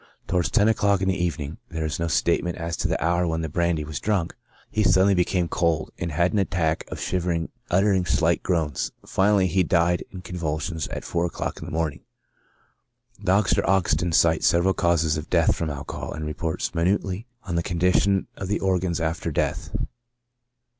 Towards ten o'clock in the evening (there is no statement as to the hour when the brandy was drunk) he suddenly became cold, and had an attack of shivering, uttering slight groans. Finally, he died in con vulsions at four o'clock in the morning. Dr. Ogston cites several cases of death from alcohol, and reports minutely on the condition of the organs after death.